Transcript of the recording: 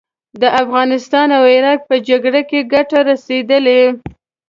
د افغانستان او عراق په جګړه کې ګټه رسېدلې.